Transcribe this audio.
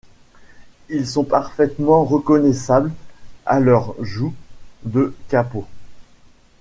Ils sont parfaitement reconnaissables à leurs joues de capot.